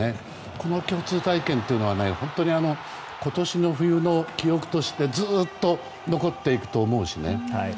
この共通体験というのは今年の冬の記憶としてずっと残っていくと思うしね。